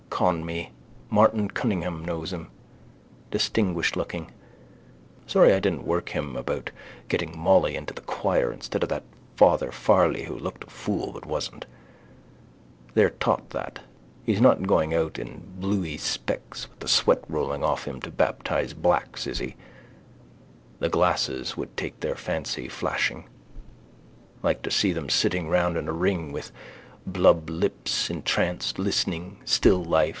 Conmee: Martin Cunningham knows him: distinguishedlooking. Sorry I didn't work him about getting Molly into the choir instead of that Father Farley who looked a fool but wasn't. They're taught that. He's not going out in bluey specs with the sweat rolling off him to baptise blacks, is he? The glasses would take their fancy, flashing. Like to see them sitting round in a ring with blub lips, entranced, listening. Still life.